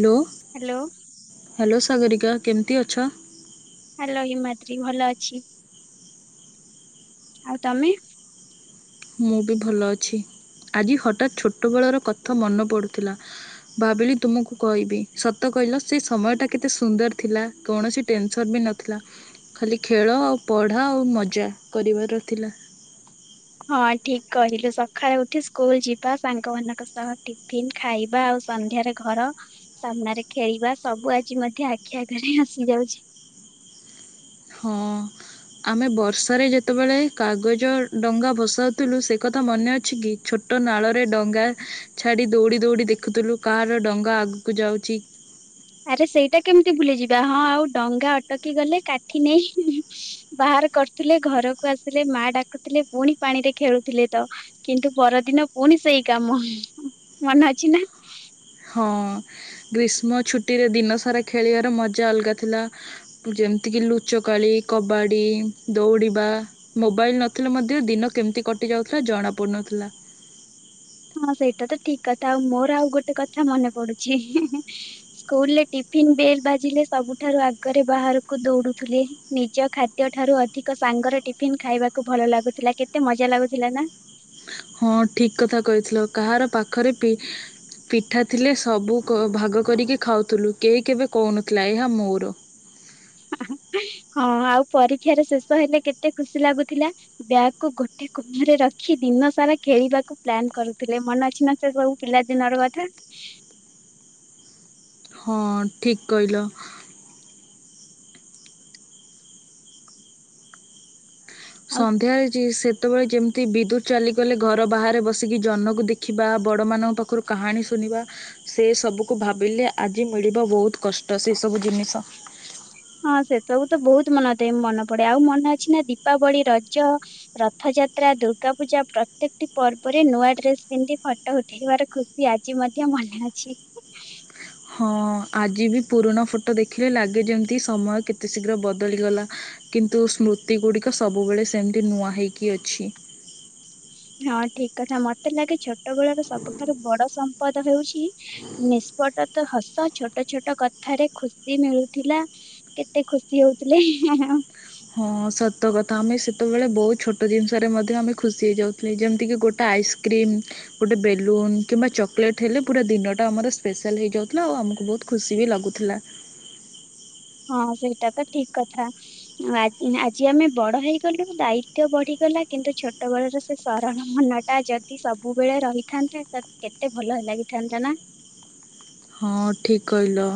Hello hello Sagarika. କେମିତି ଅଛ। Hello Himadri ଭଲ ଅଛି ଆଉ ତମେ। ମୁଁ ବି ଭଲ ଅଛି। ଆଜି ହଠାତ୍ ଛୋଟ ବେଳର କଥା ମନେ ପଡୁଥିଲା। ଭାବିଲି ତୁମକୁ କହିବି। ସତ କହିଲ ସେ ସମୟଟା କେତେ ସୁନ୍ଦର ଥିଲା। କୌଣସି ଟେନସନ୍ ବି ନଥିଲା ଖାଲି ଖେଳ ଆଉ ପଢା ଆଉ ମଜା କରିବାର ଥିଲା। ହଁ ଠିକ କହିଲୁ ସକାଳେ ଉଠି ସ୍କୁଲ ଯିବା ସାଙ୍ଗ ମାନଙ୍କ ସହ ଟିଫିନ୍ ଖାଇବା ଆଉ ସନ୍ଧ୍ୟାରେ ଘର ସାମ୍ନାରେ ଖେଳିବା ସବୁ ଆଜି ମଧ୍ୟ ଆଖି ଆଗରେ ଆସି ଯାଉଛି। ହଁ ଆମେ ବର୍ଷାରେ ଯେତେବେଳେ କାଗଜ ଡଙ୍ଗା ଭସାଉଥିଲୁ ସେ କଥା ମନେ ଅଛି କି ଛୋଟ ନାଳରେ ଡଙ୍ଗା ଛାଡି ଦୌଡି ଦୌଡି ଦେଖୁଥିଲୁ। କାର ଡଙ୍ଗା ଆଗ କୁ ଯାଉଛି। ଆରେ ସେଇଟା କେମିତି ଭୁଲିଯିବା। ହଁ ଆଉ ଡଙ୍ଗା ଅଟକି ଗଲେ କାଠି ନେଇ ବାହାର କରୁଥିଲେ ଘରକୁ ଆସିଲେ ମା ଡାକୁଥିଲେ ପୁଣି ପାଣିରେ ଖେଳୁଥିଲେ ତ କିନ୍ତୁ ପରଦିନ ପୁଣି ସେଇ କାମ ମନେ ଅଛି ନା। ହଁ ଗ୍ରୀଷ୍ମ ଛୁଟିରେ ଦିନସାରା ଖେଳିବାର ମଜା ଅଲଗା ଥିଲା। ଯେମିତିକି ଲୁଚକାଳି କବାଡି ଦୌଡିବା ମୋବାଇଲ ନଥିଲେ ମଧ୍ୟ ଦିନ କେମିତି କଟିଯାଉଥିଲା ଜଣା ପଡୁନଥିଲା। ହଁ ସେଇଟା ତ ଠିକ କଥା। ଆଉ ମୋର ଆଉ ଗୋଟେ କଥା ମନେ ପଡୁଛି। ହିଁ ହିଁ ସ୍କୁଲରେ ଟିଫିନ ବେଲ ବାଜିଲେ ସବୁଠାରୁ ଆଗରେ ବାହାରକୁ ଦୌଡୁଥିଲେ। ନିଜ ଖାଦ୍ୟ ଠାରୁ ଅଧିକ ସାଙ୍ଗରେ ଟିଫିନ ଖାଇବାକୁ ଭଲ ଲାଗୁଥିଲା କେତେ ମଜା ଲାଗୁଥିଲା ନା। ହଁ ଠିକ୍ କଥା କହିଥିଲ। କାହାର ପାଖରେ ପି ପିଠା ଥିଲେ ସବୁ ଭାଗ କରିକି ଖାଉଥିଲୁ କେହି କେବେ କହୁନଥିଲା ଏହା ମୋର। ହଁ ଆଉ ପରୀକ୍ଷାରେ ଶେଷ ହେଲେ କେତେ ଖୁସି ଲାଗୁଥିଲା। ବ୍ୟାଗକୁୁ ଗୋଟେ କୁଣରେ ରଖି ଦିନ ସାରା ଖେଳିବାକୁ ପ୍ଲାନ୍ କରୁଥିଲେ। ମନେ ଅଛି ନା ସବୁ ପିଲା ଦିନର କଥା। ହଁ ଠିକ୍ କହିଲ। ଆଉ ସନ୍ଧ୍ୟାରେ ଯି ସେ ସେତେବେଳେ ଯେମିତି ବିଦ୍ୟୁତ୍ ଚାଲିଗଲେ ଘର ବାହାରେ ବସିକି ଜହ୍ନକୁ ଦେଖିବା ବଡମାନଙ୍କ ପାଖରୁ କାହାଣୀ ଶୁଣିବା ସେ ସବୁକୁ ଭାବିଲେ ଆଜି ମିଳିବ ବହୁତ କଷ୍ଟ ସେସବୁ ଜିନିଷ। ହଁ ସେ ସବୁ ତ ବହୁତ ମନ ଦିଏ ମନେ ପଡେ। ଆଉ ମନେ ଅଛି ନା ଦୀପାବଳି, ରଜ, ରଥଯାତ୍ରା, ଦୁର୍ଗାପୂଜା ପ୍ରତ୍ୟେକଟି ପର୍ବରେ ନୂଆ ଡ୍ରେସ ପିନ୍ଧି ଫଟୋ ଉଠେଇବାର ଖୁସି ଆଜି ମଧ୍ୟ ମନେ ଅଛି। ହଁ ଆଜି ବି ପୁରୁଣା ଫଟୋ ଦେଖିଲେ ଲାଗେ ଯେମିତି ସମୟ କେତେ ଶୀଘ୍ର ବଦଳିଗଲା କିନ୍ତୁ ସ୍ମୃତି ଗୁଡିକ ସବୁବେଳେ ସେମିତି ନୂଆ ହେଇକି ଅଛି। ହଁ ଠିକ୍ କଥା ମୋତେ ଲାଗେ ଛୋଟ ବେଳର ସବୁଠାରୁ ବଡ ସମ୍ପଦ ହେଉଛି ନିଷ୍ପଟ ତ ହସ ଛୋଟ ଛୋଟ କଥାରେ ଖୁସି ମିଳୁଥିଲା କେତେ ଖୁସି ହଉଥିଲେ। ହଁ ସତ। ତ କଥା ଆମେ ସେତେବେଳେ ବହୁତ ଛୋଟ ଜିନିଷରେ ମଧ୍ୟ ଆମେ ଖୁସି ହେଇଯାଉଥିଲେ। ଯେମିତିକି ଗୋଟେ ଆଇସ୍କ୍ରିମ୍ ଗୋଟେ ବେଲୁନ କିମ୍ବା ଚକୋଲେଟ୍ ହେଲେ ପୁରା ଦିନଟା ଆମର ସ୍ପେଶାଲ ହେଇଯାଉଥିଲା ଆଉ ଆମକୁ ବହୁତ ଖୁସି ବି ଲାଗୁଥିଲା। ହଁ ସେଇଟା ତ ଠିକ୍ କଥା ଆଜି ଆମେ ବଡ ହେଇଗଲୁ ଦାୟିତ୍ବ ବଢିଗଲା କିନ୍ତୁ ଛୋଟ ବେଳର ସେ ସରଳ ମନ ଟା ଯଦି ସବୁବେଳେ ରହିଥାନ୍ତା କେତେ ଭଲ ଲାଗିଥାନ୍ତା ନା। ହଁ ଠିକ୍ କହିଲ।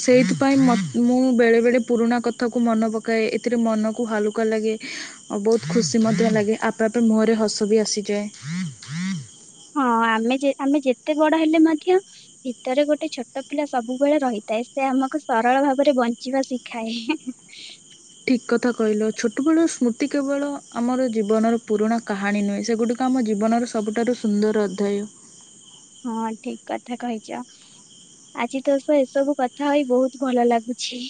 ସେଇଥିପାଇଁ ମୋତେ ମୁଁ ବେଳେ ବଳେ ପୁରୁଣା କଥାକୁ ମନେ ପକାଏ। ଏଥିରେ ମନକୁ ହାଲୁକା ଲାଗେ ଆ ବହୁତ ଖୁସି ମଧ୍ୟ ଲାଗେ। ଆପେ ଆପେ ମୁହଁରେ ହସ ବି ଆସିଯାଏ। ହଁ ଆମେ ଆମେ ଯେତେ ବଡ ହେଲେ ମଧ୍ୟ ଭିତରେ ଗୋଟେ ଛୋଟ ପିଲା ସବୁବେଳେ ରହିଥାଏ। ସେ ଆମକୁ ସରଳ ଭାବରେ ବଞ୍ଚିବା ଶିଖାଏ। ଠିକ୍ କଥା କହିଲ। ଛୋଟବେଳ ସ୍ମୃତି କେବଳ ଆମର ଜୀବନର ପୁରୁଣା କାହାଣୀ ନୁହେଁ ସେଗୁଡଡିକ ଆମ ଜୀବନର ସବୁଠାରୁ ସୁନ୍ଦର ଅଧ୍ୟାୟ। ହଁ ଠିକ୍ କଥା କହିଛ। ଆଜି ତ ସ ଏସବୁ କଥା ହୋଇ ବହୁତ ଭଲ ଲାଗୁଛି।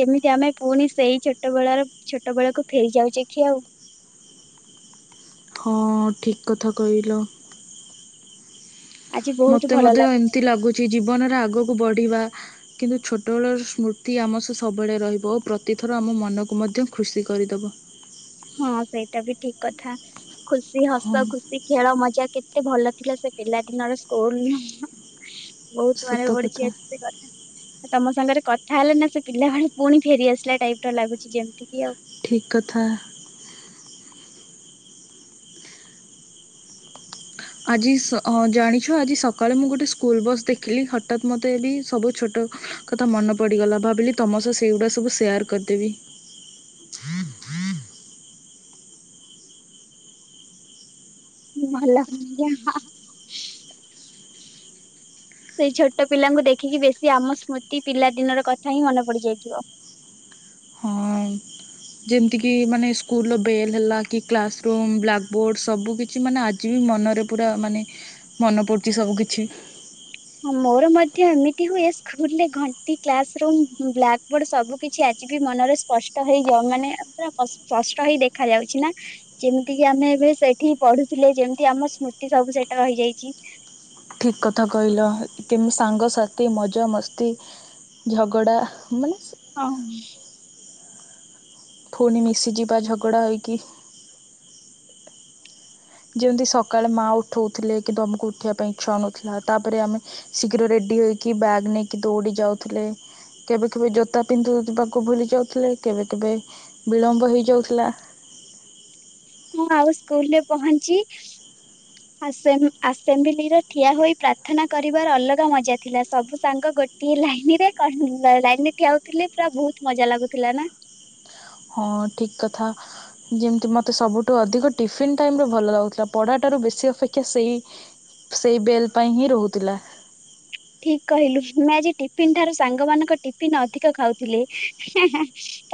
ଯେମିତି ଆମେ ପୁଣି ସେଇ ଛୋଟ ବେଳର ଛୋଟ ବେଳକୁ ଫେରି ଯାଉଛେ କି ଆଉ। ହଁ ଠିକ୍ କଥା କହିଲ। ଆଜି ବହୁତ ମୋତେ ଭଲ ମଧ୍ୟ ଏମତି ଲାଗୁଛି ଜୀବନରେ ଆଗକୁ ବଢିବା। କିନ୍ତୁ ଛୋଟବେଳର ସ୍ମୃତି ଆମ ସହ ସବୁବେଳେ ରହିବ ଓ ପ୍ରତିଥର ଆମ ମନକୁ ମଧ୍ୟ ଖୁସି କରିଦେବ। ହଁ ସେଇଟା ବି ଠିକ୍ କଥା। ଖୁସି ହଁ ହସ ଖୁସି ଖେଳ ମଜା। ପୂଜା କେତେ ଭଲ ଥିଲା ସେ ପିଲା ଦିନର ସ୍କୁଲ। ବହୁତ ମନେ ସତ କଥା ପଡୁଚି ଆଜି ସେ କଥା। ତମ ସାଙ୍ଗରେ କଥା ହେଲେ ନା ସେ ପିଲାବେଳେ ପୁଣି ଫେରିଆସିଲା ଟାଇପ୍ ର ଲାଗୁଛି ଯେମିତିକି ଆଉ। ଠିକ୍ କଥା। ଆଜି ସ ଅ-ଜାଣିଛ ଆଜି ସକାଳେ ମୁଁ ଗୋଟେ ସ୍କୁଲ ବସ୍ ଦେଖିଲି ହଠାତ୍ ମୋତେ ବି ଏ ସବୁ ଛୋଟ କଥା ମନେ ପଡିଗଲା ଭାବିଲି ତମ ସହ ସେଇଗୁଡା ସବୁ ସେୟାର କରିଦେବି ମଲା ଯା ସେଇ ଛୋଟ ପିଲାଙ୍କୁ ଦେଖିକି ବେଶୀ ଆମ ସ୍ମୃତି ପିଲା ଦିନର କଥା ହିଁ ମନେ ପଡି ଯାଇଥିବ ହଁ ଯେମିତିକି ମାନେ ସ୍କୁଲର ବେଲ୍ ହେଲା କି କ୍ଲାସରୁୁମ୍ ବ୍ଲାକ୍ ବୋର୍ଡ଼ ସବୁକିଛି ମାନେ ଆଜି ବି ମନରେ ପୁରା ମାନେ ମନ ପଡ଼ୁଛି ସବୁ କିିଛି ହଁ ମୋର ମଧ୍ୟ ଏମିତି ହୁଏ ସ୍କୁଲରେ ଘଣ୍ଟି କ୍ଲାସ ରୁମ ବ୍ଲାକ୍ ବୋର୍ଡ ସବୁ କିଛି ଆଜି ବି ମନରେ ସ୍ପଷ୍ଟ ହେଇଯାଉ ମାନେ ପୁର ସ୍ପଷ୍ଟ ହେଇ ଦେଖା ଯାଉଛି ନା ଯେମିତିକି ଆମେ ଏବେ ସେଠି ପଢୁଥିଲେ ଯେମିତି ଆମ ସ୍ମୃତି ସବୁ ସେଟା ରହିଯାଇଛି ଠିକ୍ କଥା କହିଲ କେମିତି ସାଙ୍ଗସାଥି ମଜା ମସ୍ତି ଝଗଡ଼ା ମାନେ ହଁ ପୁଣି ମିଶିଯିବା ଝଗଡ଼ା ହୋଇକି ଯେମିତି ସକାଳେ ମା ଉଠଉଥିଲେ କିନ୍ତୁ ଆମକୁ ଉଠିବା ପାଇଁ ଇଚ୍ଛା ନଥିଲା ତାପରେ ଆମେ ଶୀଘ୍ର ରେଡି ହେକି ବ୍ୟାଗ୍ ନେଇକି ଦୌଡି ଯାଉଥିଲେ କେବେ କେବେ ଜୋତା ପିନ୍ଧିବାକୁ ଭୁଲି ଯାଉଥିଲେ କେବେ କେବେ ବିଳମ୍ବ ହେଇଯାଉଥିଲା ମୁଁ ଆଉ ସ୍କୁଲରେ ପହଞ୍ଚି ଆସେମ୍ବ ଆସେମ୍ବଲି ରେ ଠିଆ ହୋଇ ପ୍ରାର୍ଥନା କରିବାର ଅଲଗା ମଜା ଥିଲା ସବୁ ସାଙ୍ଗ ଗୋଟିଏ ଲାଇନରେ କ ଲାଇନ ରେ ଠିଆ ହଉଥିଲେ ପୁରା ବହୁତ ମଜା ଲାଗୁଥିଲା ନା ହଁ ଠିକ କଥା ଯେମିତି ମୋତେ ସବୁଠୁ ଅଧିକ ଟିଫିନ ଟାଇମରେ ଭଲ ଲାଗୁଥିଲା ପଢାଟାରୁ ବେଶୀ ଅପେକ୍ଷା ସେଇ ସେଇ ବେଲ୍ ପାଇଁ ହିଁ ରହୁଥିଲା ଠିକ କହିଲୁ ମୁଁ ଆଜି ଟିଫିନ ଠାରୁ ସାଙ୍ଗ ମାନଙ୍କ ଟିଫିନ ଅଧିକ ଖାଉଥିଲି ହେ ହେ ହେ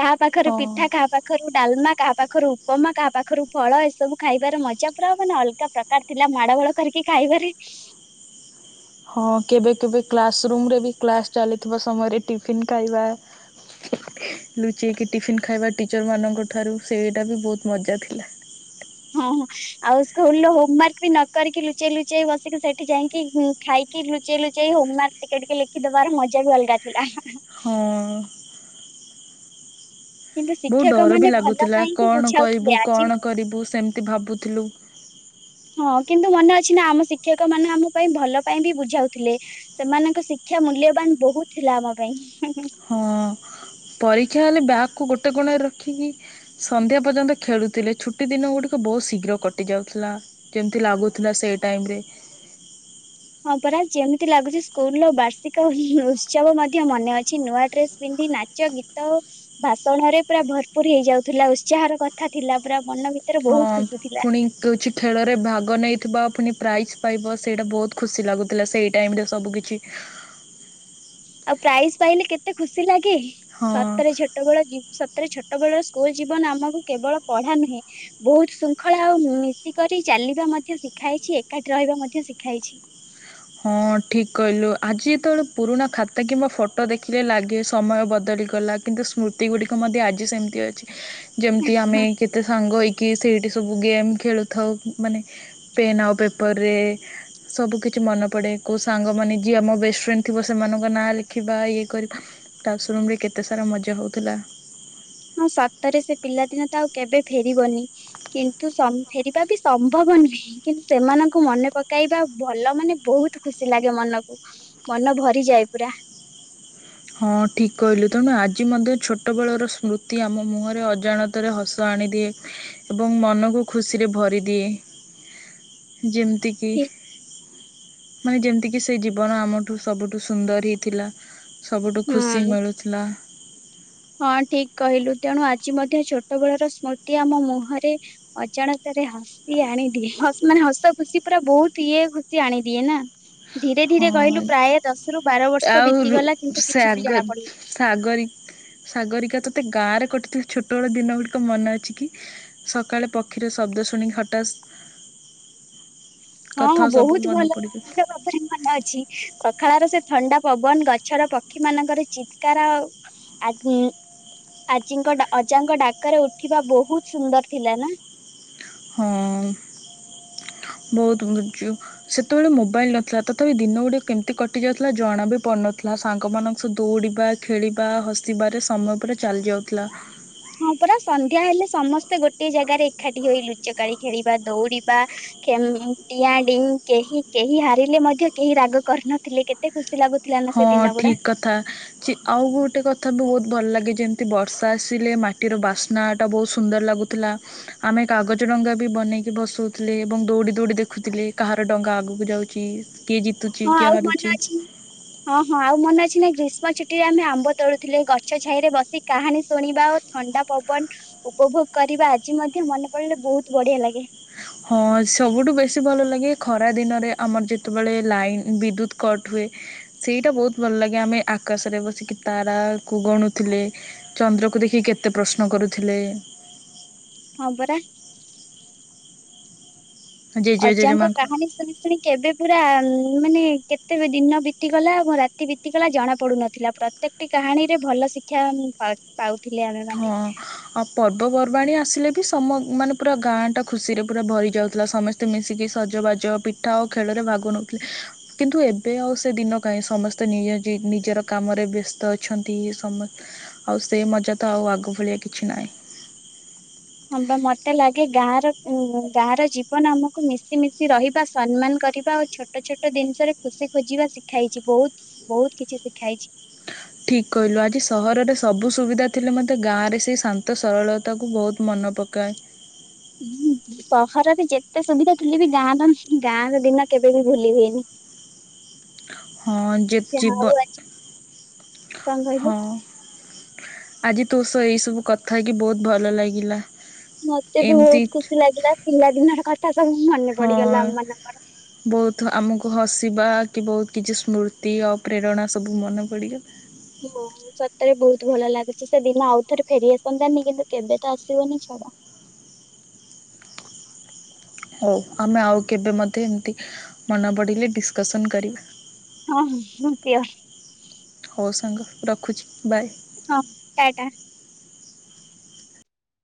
କାହା ପାଖରେ ହଁ। ପିଠା କାହା ପାଖରୁ ଡାଲମା କାହା ପାଖରୁ ଉପମା କାହା ପାଖରୁ ଫଳ ଏସବୁ ଖାଇବାର ମଜା ପୁରା ମାନେ ଅଲଗା ପ୍ରକାର ଥିଲା ମାଡ ଗୋଳ କରିକି ଖାଇବାରେ ହଁ କେବେ କେବେ କ୍ଲାସ ରୁମ୍ ରେ ବି କ୍ଲାସ୍ ଚାଲିଥିବା ସମୟରେ ଟିଫିନ୍ ଖାଇବା ଲୁଚେଇକି ଟିଫିନ୍ ଖାଇବା ଟିଚର୍ ମାନଙ୍କ ଠାରୁ ସେଇଟା ବି ବହୁତ ମଜା ଥିଲା। ହଁ ହଁ ଆଉ ସ୍କୁଲ ହୋମୱାର୍କ ବି ନକିରିକି ଲୁଚେଇ ଲୁଚେଇ ବସିକି ସେଠି ଯାଇଁକି ଖାଇକି ଲୁଚେଇ ଲୁଚେଇ ହୋମୱାର୍କ ଟିକେ ଟିକେ ଲେଖିଦବାର ମଜା ବି ଅଲଗା ଥିଲା। ହଁ। କିନ୍ତୁ ବହୁତ ଶିକ୍ଷକ ଡର ମାନେ ବି ଭଲ ଲାଗୁଥିଲା ପାଇଁ ହିଁ କଣ କହିବୁ ବୁଝାଉଥିଲେ ଆଜି କଣ କରିବୁ ସେମିତି ଭାବୁଥିଲୁ। ହଁ କିନ୍ତୁ ମନେ ଅଛି ନା ଆମ ଶିକ୍ଷକ ମାନେ ଆମ ପାଇଁ ଭଲ ପାଇଁ ବି ବୁଝାଉଥିଲେ ସେମାନଙ୍କ ଶିକ୍ଷା ମୂଲ୍ୟବାନ ବହୁତ ଥିଲା ଆମ ପାଇଁ। ହଁ ପରୀକ୍ଷା ହେଲେ ବ୍ୟାଗ୍ କୁ ଗୋଟେ କୋଣରେ ରଖିକି ସନ୍ଧ୍ୟା ପର୍ଯ୍ୟନ୍ତ ଖେଳୁଥିଲେ ଛୁଟି ଦିନ ଗୁଡ଼ିକ ବହୁତ ଶୀଘ୍ର କଟିଯାଉଥିଲା ଯେମିତି ଲାଗୁଥିଲା ସେଇ ଟାଇମ୍ ରେ। ହଁ ପରା ଯେମିତି ଲାଗୁଛି ସ୍କୁଲ ର ବାର୍ଷିକ ଉତ୍ସବ ମଧ୍ୟ ମନେ ଅଛି ନୂଆ ଡ୍ରେସ ପିନ୍ଧି ନାଚ ଗୀତ ଓ ଭାଷଣରେ ପୁରା ଭରପୁର ହେଇଯାଉଥିଲା ଉତ୍ସାହର କଥା ଥିଲା ପୁରା ମନ ଭି ହଁ ପୁଣି ପୁଚି ଖେଳରେ ଭାଗ ନେଇଥିବା ଫୁନି ପ୍ରାଇଜ୍ ପାଇବ ସେଇଟା ବହୁତ ଖୁସି ଲାଗୁଥିଲା ସେଇ ଟାଇମରେ ସବୁ କିିଛି। ଆଉ ପ୍ରାଇଜ୍ ପାଇଲେ କେତେ ଖୁସି ଲାଗ କି ହଁ ସତରେ ଛୋଟ ବେଳ ଜି ସ ରେ ଛୋଟ ବେଳର ସ୍କୁଲ ଜୀବନ ଆମକୁ କେବଳ ପଢା ନୁହେଁ ବହୁତ ଶୃଙ୍ଖଳା ଆଉ ମିଶିକରି ଚାଲିବା ମଧ୍ୟ ଶିଖାଇଛି ଏକାଠି ରହିବା ମଧ୍ୟ ଶିଖାଇଛି। ହଁ ଠିକ୍ କହିଲୁ ଆଜି ଯେତେବେଳେ ପୁରୁଣା ଖାତା କିମ୍ବା ଫଟୋ ଦେଖିଲେ ଲାଗେ ସମୟ ବଦଳିଗଲା କିନ୍ତୁ ସ୍ମୃତି ଗୁଡ଼ିକ ମଧ୍ୟ ଆଜି ସେମିତି ଅଛି। ଯେମିତି ଆମେ କେତେ ସାଙ୍ଗ ହେଇକି ସେଇଠି ସବୁ ଗେମ୍ ଖେଳୁଥାଉ ମାନେ ପେନ୍ ଆଉ ପେପରରେ ସବୁ କିଛି ମନ ପଡ଼େ କୋଉ ସାଙ୍ଗମାନେ ଯିଏ ଆମ ବେଷ୍ଟଫ୍ରେଣ୍ଡ ଥିବ ସେମାନଙ୍କ ନାଁ ଲେଖିବା ଇଏ କରିବା କ୍ଲାସରୁୁମ୍ ରେ କେତେ ସାରା ମଜା ହେଉଥିଲା। ହଁ ସତରେ ସେ ପିଲାଦିନ ତ ଆଉ କେବେ ଫେରିବନି କିନ୍ତୁ ସ ଫେରିବା ବି ସମ୍ଭବ ନୁହେଁ କିନ୍ତୁ ସେମାନଙ୍କୁ ମନେ ପକାଇବା ଭଲ ମାନେ ବହୁତ ଖୁସି ଲାଗେ ମନକୁ ମନ ଭରିଯାଏ ପୁରା। ହଁ ଠିକ କହିଲୁ ତେଣୁ ଆଜି ମଧ୍ୟ ଛୋଟବେଳର ସ୍ମୃତି ଆମ ମୁହଁରେ ଅଜାଣତରେ ହସ ଆଣିଦିଏ ଏବଂ ମନକୁ ଖୁସିରେ ଭରିଦିଏ। ଯେମିତି କି ଠିକ୍ ମାନେ ଯେମିତିକି ସେ ଜୀବନ ଆମଠୁ ସବୁଠୁ ସୁନ୍ଦର ହିଁ ଥିଲା ସବୁଠୁ ଖୁସି ହୁଁ। ମିଳୁଥିଲା ହଁ ଠିକ୍ କହିଲୁ ତେଣୁ ଆଜି ମଧ୍ୟ ଛୋଟ ବଳର ସ୍ମୃତି ଆମ ମୁହଁରେ ଅଜାଣତରେ ହସି ଆଣିଦିଏ ମାନେ ହସ ଖୁସି ପୁରା ବହୁତ ଇଏ ଖୁସି ଆଣିଦିଏ ନା ଧୀରେ ଧୀରେ କହିଲୁ ହଁ ପ୍ରାୟ ଦଶ ବାର ବର୍ଷ ବିତିଗଲା କିନ୍ତୁ କିଛି ବି ଜଣା ସାଗଦ ପଡିଲାନି। ସାଗର ସାଗରିକା ତତେ କାର ଗୋଟେ ତୋ ଛୋଟବେଳ ଦିନ ଗୁଡ଼ିକ ମନେ ଅଛି କି ସକାଳେ ପକ୍ଷୀର ଶବ୍ଦ ଶୁଣିକି ହଠାସ୍ ହଁ ବହୁତ ଭଲ ଭଲ ଭାବରେ ମନେ ଅଛି, ସକାଳର ସେ, ଥଣ୍ଡା ପବନ, ଗଛର ପକ୍ଷୀ ମାନଙ୍କର ଚିତ୍କାର ଆଉ ଆଜି ଅଜାଙ୍କ ଡାକରେ ଉଠିବା ବହୁତ ସୁନ୍ଦର ଥିଲା ନା? ହଁ। ବହୁତ ମ କରିଚୁ, ସେତେବେଳେ ମୋବାଇଲ ନଥିଲା ତଥାପି ଦିନ ଗୁଡ଼ିକ କେମିତି କଟି ଯାଉଥିଲା ଜଣା ବି ପଡ଼ୁନଥିଲା, ସାଙ୍ଗମାନଙ୍କ ସବୁ ଦୌଡ଼ିବା ଖେଳିବା ହସିବାରେ ସମୟ ପୁରା ଚାଲିଯାଉଥିଲା। ହଁ ପୁରା ସନ୍ଧ୍ୟା ହେଲେ ସମସ୍ତେ ଗୋଟେ ଜାଗାରେ ଏକାଠି ହୋଇ ଲୁଚକାଳି ଖେଳିବା, ଦୌଡିବା ଡିଆଡିଇଁ, କେହି କେହି ହାରିଲେ ମଧ୍ୟ କେହି ରାଗ କରିନଥିଲେ କେତେ ଖୁସି ଲାଗୁଥି। ହଁ ଠିକ କଥା, ଯେ ଆଉ ଗୋଟେ କଥା ବି ବହୁତ୍। ଭଲ ଲାଗେ ଯେମିତି ବର୍ଷା ଆସିଲେ ମାଟିର ବାସ୍ନାଟା ବହୁତ ସୁନ୍ଦର ଲାଗୁଥିଲା, ଆମେ କାଗଜ ଡଙ୍ଗା ବି ବନେଇକି ଭସଉଥିଲେ ଏବଂ ଦୌଡ଼ି ଦୌଡ଼ି ଦେଖୁଥିଲେ କାହାର ଡଙ୍ଗା ଆଗକୁ ଯାଉଛି। କିଏ ଜିତୁଛି ହଁ, କିଏ ଆଉ ମନ ହାରୁଛି ଅଛି ନା, ହଁ ହଁ ଆଉ, ମନେ ଅଛି ନା ଗ୍ରୀଷ୍ମ ଛୁଟିରେ ଆମେ ଆମ୍ବ ତୋଳୁଥିଲେ, ଗଛ ଛାଇରେ ବସି କାହାଣୀ ଶୁଣିବା ଓ ଥଣ୍ଡା ପବନ ଉପଭୋଗ କରିବା ଆଜି ମଧ୍ୟ ମନେ ପଡିଲେ ବହୁତ ବଢିଆ ଲାଗେ। ହଁ, ସବୁଠୁ ବେଶୀ ଭଲ ଲାଗେ ଖରାଦିନରେ। ଆମର ଯେତେବେଳେ ଲାଇନ୍ ବିଦ୍ୟୁତ୍ କଟ ହୁଏ, ସେଇଟା ବହୁତ ଭଲ ଲାଗେ। ଆମେ ଆକାଶରେ ବସିକି ତାରାକୁ ଗଣୁଥିଲେ, ଚନ୍ଦ୍ରକୁ ଦେଖିକି କେତେ ପ୍ରଶ୍ନ କରୁଥିଲେ ହଁ, ପରା। ଜେଜେ ଅଜାଙ୍କ ଜେଜେମାଆଙ୍କୁ କାହାଣୀ ଶୁଣି ଶୁଣି କେବେ ପୁରା, ମାନେ କେତେ ବି ଦିନ ବିତିଗଲା, ଆଉ କଣ ରାତି ବିତିଗଲା, ଜଣା ପଡୁନଥିଲା। ପ୍ରତ୍ୟେକଟି କାହାଣୀରେ ଭଲ ଶିକ୍ଷା ଆମେ ପାଉ-ପାଉ। ହଁ, ଆଉ ପର୍ବପର୍ବାଣି ଆସିଲେ ବି ସ ସମ ମାନେ ପୁରା ଗାଁଟା ଖୁସିରେ ପୁରା ଭରି ଯାଉଥିଲା। ସମସ୍ତେ ମିଶିକି ସଜବାଜ, ପିଠା ଆଉ ଖେଳରେ ଭାଗ ନଉଥିଲେ। କିନ୍ତୁ ଏବେ ଆଉ ସେ ଦିନ କାହିଁ, ସମସ୍ତେ ନିୟଜି ନିଜର କାମରେ ବ୍ୟସ୍ତ ଅଛନ୍ତି, ସମ ଆଉ ସେ ମଜା ତ ଆଉ ଆଗଭଳିଆ କିଛି ନାହିଁ। ହଁ ବା, ମତେ ଲାଗେ ଗାଁଆର ଉମ୍ ଗାଁଆର ଜୀବନ ଆମକୁ ମିଶି ମିଶି ରହିବା, ସମ୍ମାନ କରିବା ଓ ଛୋଟ ଛୋଟ ଦିନିଷରେ ଖୁସି ଖୋଜିବା ଶିଖାଇଛି। ବହୁତ ବହୁତ କିଛି ଶିଖାଇଛି। ଠିକ କହିଲୁ, ଆଜି ସହରରେ ସବୁ ସୁବିଧା ଥିଲେ ମଧ୍ୟ ଗାଁଆରେ ସେଇ ଶାନ୍ତ ସରଳତାକୁୁ ବହୁତ ମନ ପକାଏ। ଉ ସହରରେ ଯେତେ ସୁବିଧା ଥିଲେ ବି, ଗାଁଆର ଗାଁଆର ଦିନ କେବେବି ଭୁଲି ହୁଏନି। ହଁ ଯେ ଯାହା ଜୀବନ, ହଉ ଆଜି କଣ କହିଲୁ ହଁ। ଆଜି ତୋ ସହ ଏଇସବୁ କଥା ହେଇକିି ବହୁତ ଭଲ ଲାଗିଲା। ମତେ ବି ଏମିତି ବହୁତ ଖୁସି ଲାଗିଲା, ପିଲା ଦିନର କଥ ହଁ, ବହୁତ ଆମକୁ ହସିବା କି ବହୁତ କିଛି ସ୍ମୃତି ଆଉ ପ୍ରେରଣା ସବୁ ମନେ ପଡିବ। ହଁ, ସତରେ ବହୁତ ଭଲ ଲାଗୁଛି। ସେ ଦିନ ଆଉଥରେ ଫେରିଆସନ୍ତାନି କିନ୍ତୁ କେବେ ତ ଆସିବନି ଛାଡ। ହଉ, ଆମେ ଆଉ କେବେ ମଧ୍ୟ ଏମତି ମନେ ପଡ଼ିଲେ ଡିସକସନ୍ କରିବା। ହଁ ହଁ, ହଁ ସିଅର୍। ହଉ ସାଙ୍ଗ ରଖୁଛି, ବାଏ। ହଉ, ଟା ଟା।